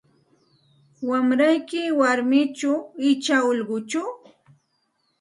Wamrayki warmichu icha ullquchu?